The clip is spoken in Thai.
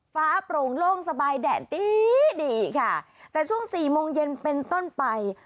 โปร่งโล่งสบายแดดดีดีค่ะแต่ช่วงสี่โมงเย็นเป็นต้นไป